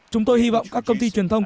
chúng tôi hy vọng các công ty truyền thông